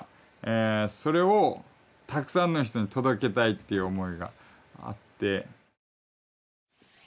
それをたくさんの人に届けたいっていう思いがあって。